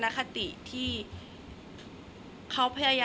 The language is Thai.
แต่ขวัญไม่สามารถสวมเขาให้แม่ขวัญได้